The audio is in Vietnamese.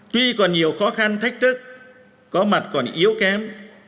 tuy còn nhiều khó khăn thách thức có mặt còn yếu kém